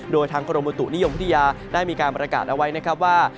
โดยทางกรมบุตุนิยมวิทยาได้มีการประกาศเอาไว้นะครับว่า